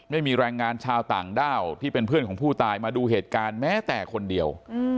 ไม่มีแรงงานชาวต่างด้าวที่เป็นเพื่อนของผู้ตายมาดูเหตุการณ์แม้แต่คนเดียว